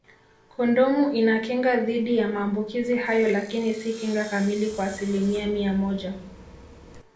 Kondomu inakinga dhidi ya maambukizi hayo lakini si kinga kamili kwa asilimia mia moja